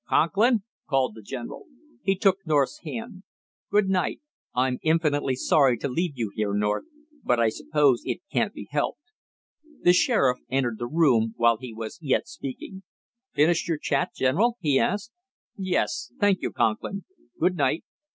"Conklin!" called the general. He took North's hand. "Good night; I'm infinitely sorry to leave you here, North, but I suppose it can't be helped " The sheriff entered the room while he was yet speaking. "Finished your chat, General?" he asked. "Yes, thank you, Conklin. Good night.